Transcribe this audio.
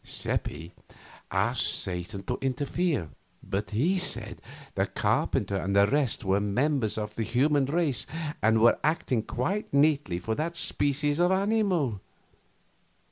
Seppi asked Satan to interfere, but he said the carpenter and the rest were members of the human race and were acting quite neatly for that species of animal.